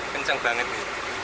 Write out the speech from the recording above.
kenceng banget ini